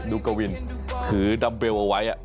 กวินถือดำเวลเอาไว้